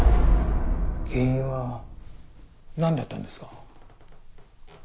原因はなんだったんですか？